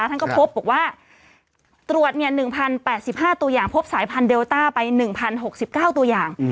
ท่านก็พบบอกว่าตรวจเนี้ยหนึ่งพันแปดสิบห้าตัวอย่างพบสายพันธุ์เดลต้าไปหนึ่งพันหกสิบเก้าตัวอย่าง